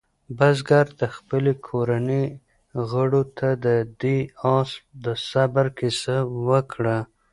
بزګر د خپلې کورنۍ غړو ته د دې آس د صبر کیسه وکړه.